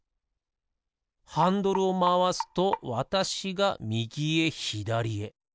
ハンドルをまわすとわたしがみぎへひだりへ。